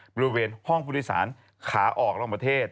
บริเวณห้องภูติศาสตร์ขาออกล่างประเทศ